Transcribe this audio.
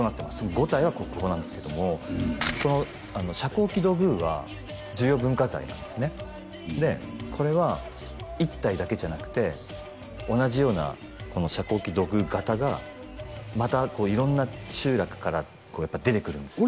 ５体は国宝なんですけどもこの遮光器土偶は重要文化財なんですねでこれは１体だけじゃなくて同じようなこの遮光器土偶型がまた色んな集落から出てくるんですよ